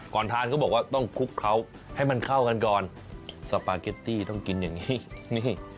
ทานเขาบอกว่าต้องคลุกเขาให้มันเข้ากันก่อนสปาเกตตี้ต้องกินอย่างนี้นี่